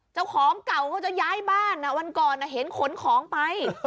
เจ้าของเก่าก็จะย้ายบ้านวันก่อนเห็นขนของไป